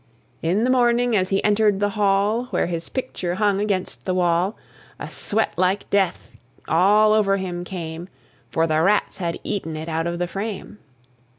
In the morning as he entered the hall, Where his picture hung against the wall, A sweat like death all over him came; For the Rats had eaten it out of the frame.